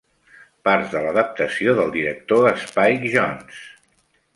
Parts de l'adaptació del director Spike Jonze.